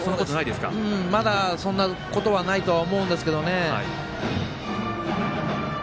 まだ、そんなことはないと思うんですけどね。